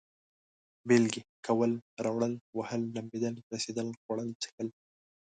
بېلگې: کول، راوړل، وهل، لمبېدل، رسېدل، خوړل، څښل